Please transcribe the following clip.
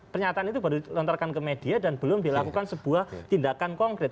pernyataan itu baru dilontarkan ke media dan belum dilakukan sebuah tindakan konkret